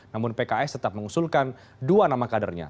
namun pks tetap mengusulkan dua nama kadernya